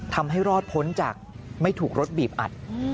ทำให้รอดพ้นจากไม่ถูกรถบีบอัด